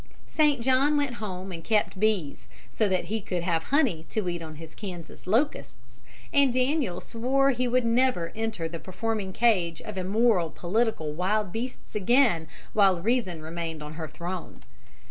St. John went home and kept bees, so that he could have honey to eat on his Kansas locusts, and Daniel swore he would never enter the performing cage of immoral political wild beasts again while reason remained on her throne.